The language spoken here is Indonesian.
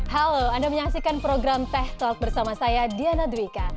halo anda menyaksikan program teh talk bersama saya diana dwika